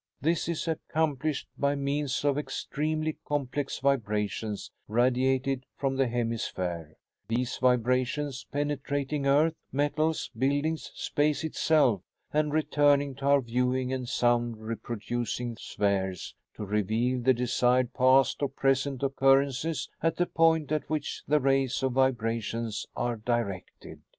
This is accomplished by means of extremely complex vibrations radiated from the hemisphere, these vibrations penetrating earth, metals, buildings, space itself, and returning to our viewing and sound reproducing spheres to reveal the desired past or present occurrences at the point at which the rays of vibrations are directed.